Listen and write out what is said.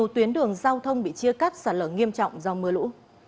thường giao thông bị chia cắt sản lở nghiêm trọng do mưa lũ